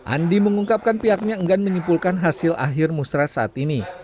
andi mengungkapkan pihaknya enggan menyimpulkan hasil akhir musrah saat ini